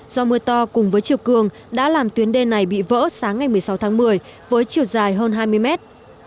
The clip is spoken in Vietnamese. do mưa to cùng với chiều cường đã làm tuyến đê này bị vỡ sáng ngày một mươi sáu tháng một mươi với chiều dài hơn hai mươi mét